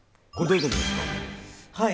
これ、どういうことですか。